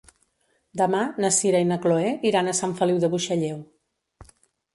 Demà na Sira i na Chloé iran a Sant Feliu de Buixalleu.